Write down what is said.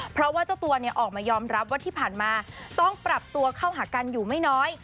เพราะว่าเจ้าตัวออกมายอมรับว่าที่ผ่านมาต้องปรับตัวเข้าหากันอยู่ไม่น้อย